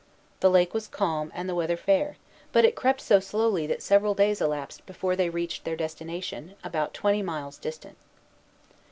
The lake was calm and the weather fair; but it crept so slowly over the water that several days elapsed before they reached their destination, about twenty miles distant.